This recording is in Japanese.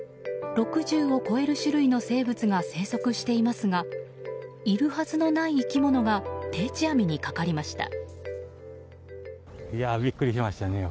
６０を超える種類の生物が生息していますがいるはずのない生き物が定置網にかかりました。